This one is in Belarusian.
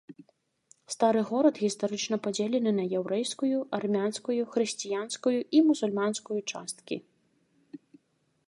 Стары горад гістарычна падзелены на яўрэйскую, армянскую, хрысціянскую і мусульманскую часткі.